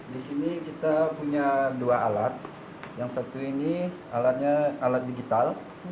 disini kita punya dua alat yang satu ini alat digital